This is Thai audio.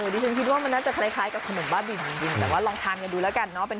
ดิฉันคิดว่ามันน่าจะคล้ายกับขนมบ้าบินจริงแต่ว่าลองทานกันดูแล้วกันเนาะ